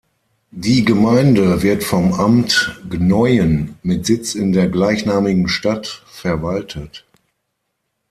Die Gemeinde wird vom Amt Gnoien, mit Sitz in der gleichnamigen Stadt, verwaltet.